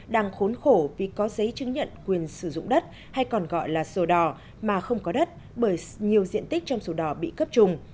đang khốn khổ vì có giấy chứng nhận quyền sử dụng đất hay còn gọi là sổ đỏ mà không có đất bởi nhiều diện tích trong sổ đỏ bị cấp trùng